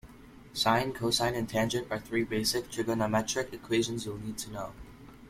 Sine, cosine and tangent are three basic trigonometric equations you'll need to know.